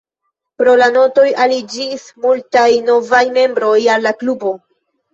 Pro la Notoj aliĝis multaj novaj membroj al la klubo.